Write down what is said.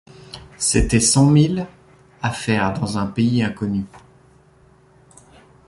C’étaient cent milles à faire dans un pays inconnu.